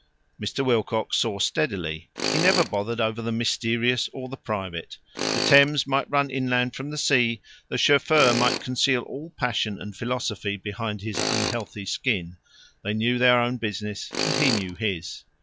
Mr. Wilcox saw steadily. He never bothered over the mysterious or the private. The Thames might run inland from the sea, the chauffeur might conceal all passion and philosophy beneath his unhealthy skin. They knew their own business, and he knew his.